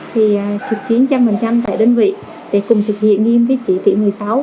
thì trực chiến một trăm linh tại đơn vị để cùng thực hiện nghiêm viết chỉ tiệm một mươi sáu